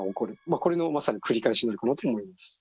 これのまさに繰り返しになるかなと思います。